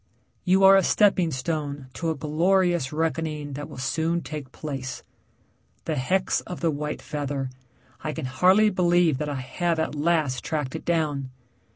You are a stepping stone to a glorious reckoning that will soon take place. The hex of the white feather I can hardly believe that I have at last tracked it down.